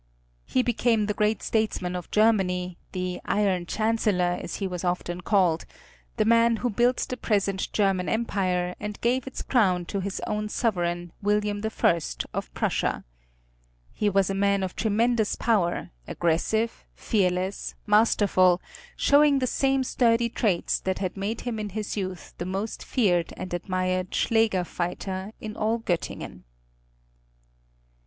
He became the great statesman of Germany, the "Iron Chancellor" as he was often called, the man who built the present German Empire, and gave its crown to his own sovereign, William I, of Prussia. He was a man of tremendous power, aggressive, fearless, masterful, showing the same sturdy traits that had made him in his youth the most feared and admired schläger fighter in all Göttingen.